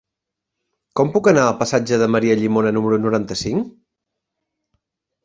Com puc anar al passatge de Maria Llimona número noranta-cinc?